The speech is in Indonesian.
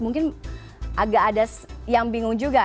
mungkin agak ada yang bingung juga